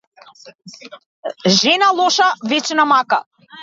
Жена лоша вечна мака.